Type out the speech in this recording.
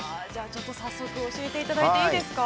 ちょっと早速、教えていただいていいですか。